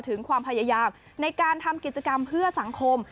ถึงความพยายามในการทำกิจกรรมเพื่อสังคม